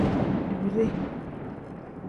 Dibide.